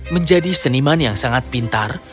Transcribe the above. menjadi seniman yang sangat pintar